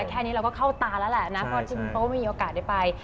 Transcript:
แค่นี้เราก็เข้าตาแล้วแหละนะเขาก็มีโอกาสได้ไป